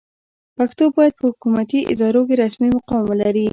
پښتو باید په حکومتي ادارو کې رسمي مقام ولري.